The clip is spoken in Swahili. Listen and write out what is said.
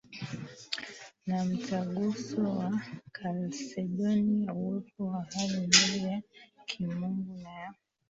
na Mtaguso wa Kalsedonia uwepo wa hali mbili ya Kimungu na ya